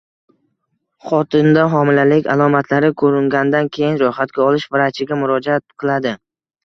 Xotinda homilalik alomatlari ko‘ringandan keyin ro‘yxatga olish vrachiga murojaat qiladi